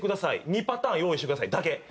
「２パターン用意してください」だけ。